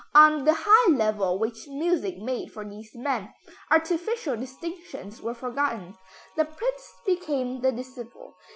On the high level which music made for these men, artificial distinctions were forgotten; the Prince became the disciple.